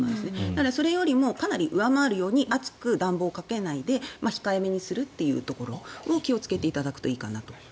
だから、それを上回るように暑く暖房をかけないで控えめにするというところを気をつけていただくといいかなと。